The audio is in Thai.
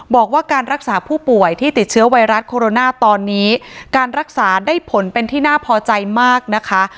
บอกว่าการรักษาผู้ป่วยที่ติดเชื้อไวรัสโคโรนาตอนนี้การรักษาได้ผลเป็นที่น่าพอใจมากนะคะ